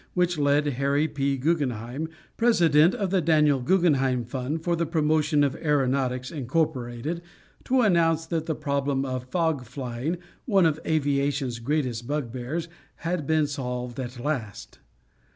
which led Harry P. Guggenheim, President of the Daniel Guggenheim Fund for the Promotion of Aeronautics, Inc. to announce that the problem of fog flying, one of aviation's greatest bugbears, had been solved at last.